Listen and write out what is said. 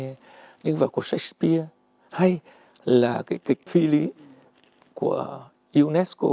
hay những vở của shakespeare hay là cái kịch phi lý của unesco